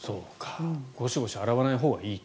ゴシゴシ洗わないほうがいいと。